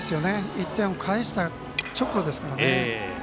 １点を返した直後ですからね。